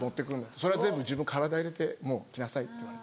それは全部自分体入れてもう来なさい」って言われた。